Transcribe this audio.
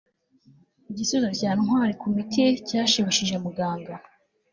igisubizo cya ntwali kumiti cyashimishije muganga